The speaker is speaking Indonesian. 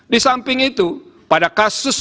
disamping itu pada kasus